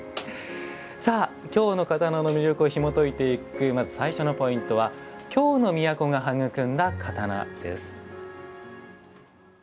京の刀の魅力をひもといていく最初のポイントは「京の都が育んだ刀」です。